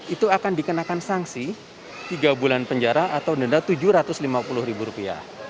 itu akan dikenakan sanksi tiga bulan penjara atau denda tujuh ratus lima puluh ribu rupiah